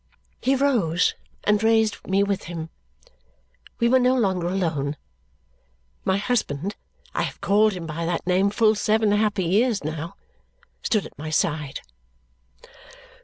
He rose and raised me with him. We were no longer alone. My husband I have called him by that name full seven happy years now stood at my side.